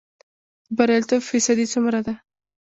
د بریالیتوب فیصدی څومره ده؟